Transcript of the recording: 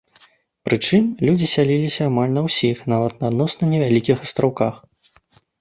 Прычым, людзі сяліліся амаль на ўсіх, нават на адносна невялікіх астраўках.